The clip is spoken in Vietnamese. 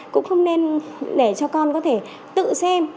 cũng không nên để cho con có thể tự xem